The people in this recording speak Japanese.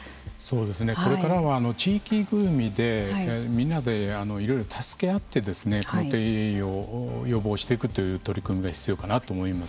これからは地域ぐるみでみんなでいろいろ助け合って低栄養を予防していくという取り組みが必要かなと思います。